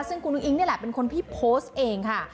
ซึ่งคุณอุ้งอิ๊งนี่แหละเป็นคนที่โพสต์เองค่ะ